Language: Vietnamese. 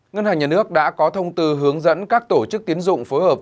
ngân hàng nhà nước đã có thông tư hướng dẫn các tổ chức tiến dụng phối hợp